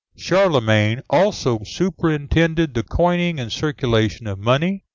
] Charlemagne also superintended the coining and circulation of money.